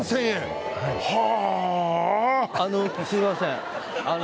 あのすいません